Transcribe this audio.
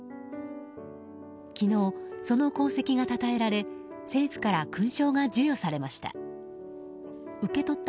昨日、その功績がたたえられ政府から勲章が授与されました。